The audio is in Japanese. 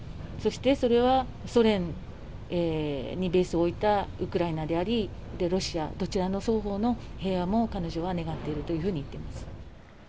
そして、それはソ連にベースを置いたウクライナであり、ロシア、どちらの双方の平和も彼女は願っているというふうに言っています。